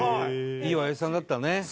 いいおやじさんだったね。